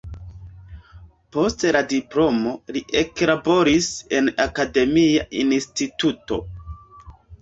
Post la diplomo li eklaboris en akademia instituto.